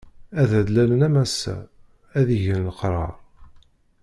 Ad d-lalen am ass-a, ad egen leqṛaṛ.